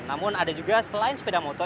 namun ada juga selain sepeda motor